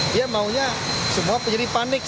dia maunya semua jadi panik